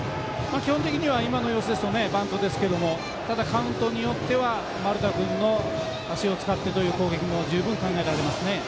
基本的には今の様子ですとバントですけれどもただカウントによっては丸田君の足を使ってという攻撃も考えられます。